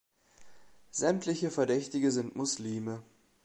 Sämtliche Verdächtige sind Muslime.